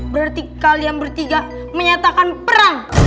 berarti kalian bertiga menyatakan perang